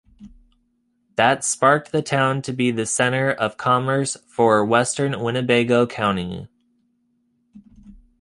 That sparked the town to be the center of commerce for western Winnebago County.